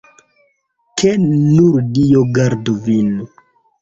Ke nur Dio gardu vin!